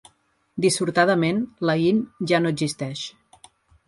Dissortadament, la Inn ja no existeix.